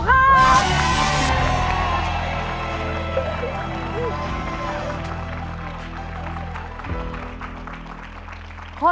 ถูกครับ